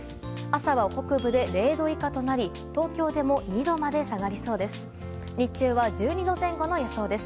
朝は北部で０度以下となり東京でも２度まで下がりそうです。